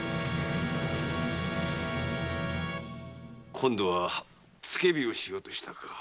今度は付け火をしようとしたか。